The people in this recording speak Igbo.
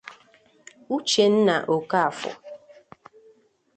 Uchenna Okafọr